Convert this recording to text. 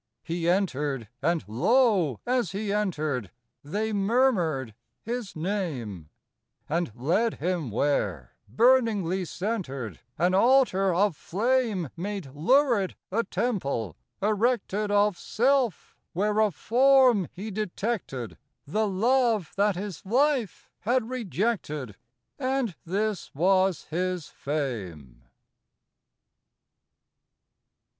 He entered; and, lo! as he entered, They murmured his name; And led him where, burningly centered, An altar of flame Made lurid a temple, erected Of self, where a form he detected The love that his life had rejected ... And this was his fame!